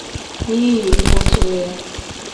n'ihi mgbọ tụrụ ya.